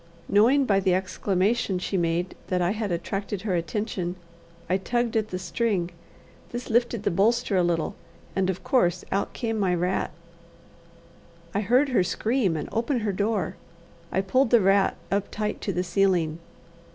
Knowing by the exclamation she made that I had attracted her attention, I tugged at the string; this lifted the bolster a little, and of course out came my rat. I heard her scream, and open her door. I pulled the rat up tight to the ceiling.